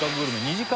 ２時間